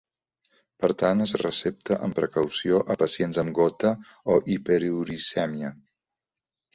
Per tant, es recepta amb precaució a pacients amb gota o hiperuricèmia.